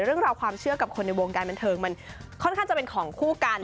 เรื่องราวความเชื่อกับคนในวงการบันเทิงมันค่อนข้างจะเป็นของคู่กัน